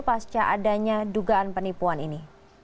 pasca adanya dugaan penipuan ini